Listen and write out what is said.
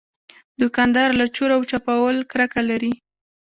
دوکاندار له چور او چپاول کرکه لري.